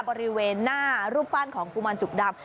บริเวณหน้ารูปปั้นของกุมารจุกดำ